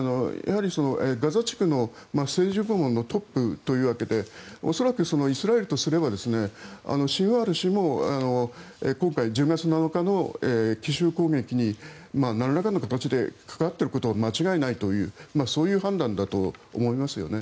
ガザ地区の政治部門のトップということで恐らく、イスラエルとすればシンワール氏も今回、１０月７日の奇襲攻撃に何らかの形で関わっていることは間違いないというそういう判断だと思います。